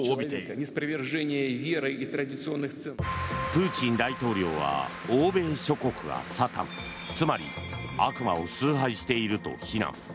プーチン大統領は欧米諸国がサタンつまり悪魔を崇拝していると非難。